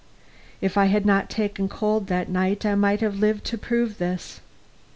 If I had not taken cold that night I might have lived to prove this.